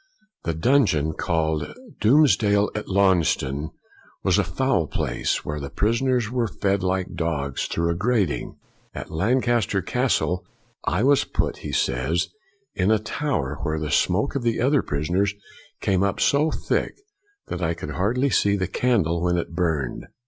The dungeon called Doomsdale at Launceston was a foul place, where the prisoners were fed like dogs through a grating. At Lancaster Castle, " I was put," he says, " in a tower, where the smoke of the other prisoners came up so thick that I could hardly see the candle when it burned.